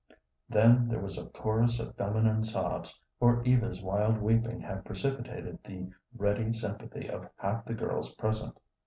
Then there was a chorus of feminine sobs, for Eva's wild weeping had precipitated the ready sympathy of half the girls present.